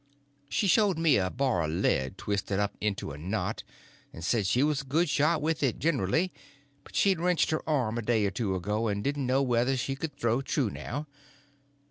She showed me a bar of lead twisted up into a knot, and said she was a good shot with it generly, but she'd wrenched her arm a day or two ago, and didn't know whether she could throw true now.